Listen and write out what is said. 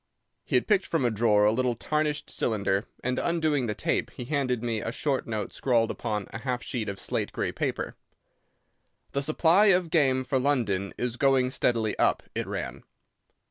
He had picked from a drawer a little tarnished cylinder, and, undoing the tape, he handed me a short note scrawled upon a half sheet of slate grey paper. "The supply of game for London is going steadily up," it ran.